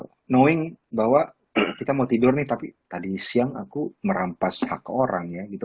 knowing bahwa kita mau tidur nih tapi tadi siang aku merampas hak orang ya gitu